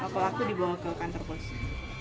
pelaku dibawa ke kantor polisi